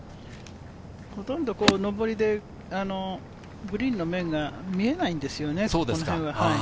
ほとんど上りでグリーンの面が見えないんですよね。